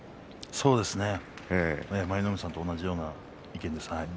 そうですね、舞の海さんと同じような意見です。